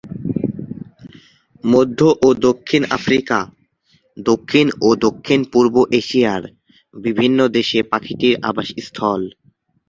মধ্য ও দক্ষিণ আফ্রিকা, দক্ষিণ ও দক্ষিণ-পূর্ব এশিয়ার বিভিন্ন দেশে পাখিটির আবাসস্থল।